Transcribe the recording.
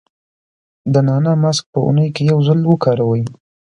د نعناع ماسک په اونۍ کې یو ځل وکاروئ.